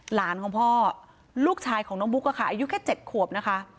หลานของพ่อลูกชายของน้องบุ๊กอะค่ะอายุแค่๗ขวบนะคะ